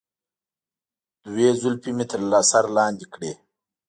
دوی زلفې مې تر سر لاندې کړي.